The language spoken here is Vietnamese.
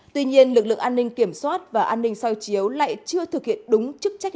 tuy nhiên lực lượng an ninh kiểm soát và an ninh soi chiếu lại chưa thực hiện đúng chức trách